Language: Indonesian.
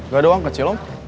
gak ada om kecil om